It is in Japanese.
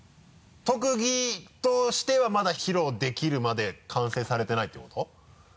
特技としてはまだ披露できるまで完成されてないってこと？